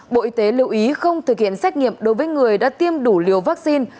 bộ y tế lưu ý không thực hiện xét nghiệm đối với người đã tiêm đủ liều vaccine